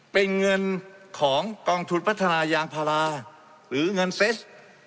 เป็นเงินของกองทุนพัฒนายางพาราหรือเงินเซส